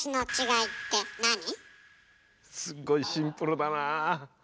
すっごいシンプルだな。